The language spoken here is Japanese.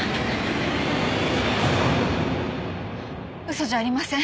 嘘じゃありません！